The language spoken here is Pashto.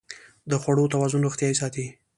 د خوړو توازن روغتیا ساتي.